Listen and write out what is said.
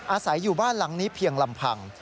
อาศัยอยู่บ้านหลังนี้เพียงลำพัง